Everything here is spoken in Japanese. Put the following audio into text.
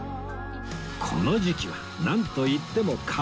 この時期はなんといってもかき氷！